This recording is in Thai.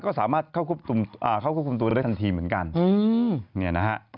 เข้าควบคุมตัวได้ทันทีเหมือนกัน